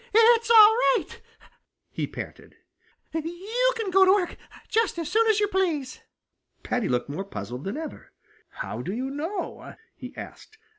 "It's all right," he panted. "You can go to work just as soon as you please." Paddy looked more puzzled than ever. "How do you know?" he asked.